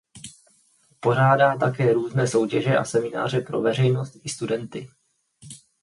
Pořádá také různé soutěže a semináře pro veřejnost i studenty.